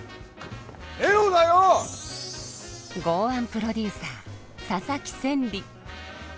豪腕プロデューサー佐々木千里。